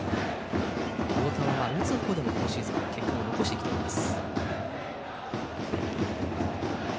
太田は打つ方でも今シーズンは結果を残してきています。